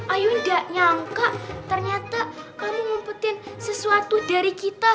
ayun gak nyangka ternyata kamu mumpetin sesuatu dari kita